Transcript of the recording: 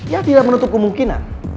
ya tidak menutup kemungkinan